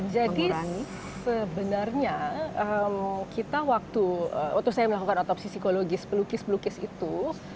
jadi sebenarnya kita waktu waktu saya melakukan otopsi psikologis pelukis pelukis itu